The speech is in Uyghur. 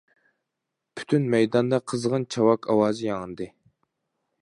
پۈتۈن مەيداندا قىزغىن چاۋاك ئاۋازى ياڭرىدى.